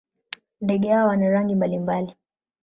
Ndege hawa wana rangi mbalimbali.